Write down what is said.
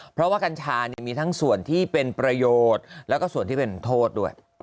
เพราะว่ากัญชามีทั้งส่วนที่เป็นประโยชน์แล้วก็ส่วนที่เป็นโทษด้วย